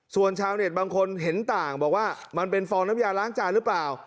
ส่วนชาวเน็ตบางคนเห็นต่างบอกว่ามันเป็นฟองน้ำยาล้างจานหรือเปล่า